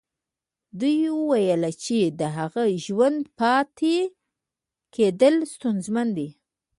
دوی ويل چې د هغه ژوندي پاتې کېدل ستونزمن دي.